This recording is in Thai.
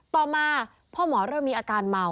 ต่อมาพ่อหมอเริ่มมีอาการเมา